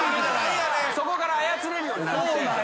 そこから操れるようになって。